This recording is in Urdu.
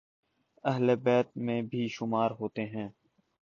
اہل بیت میں بھی شمار ہوتے ہیں